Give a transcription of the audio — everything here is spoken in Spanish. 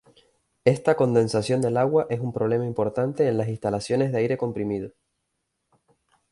Esta condensación del agua es un problema importante en las instalaciones de aire comprimido.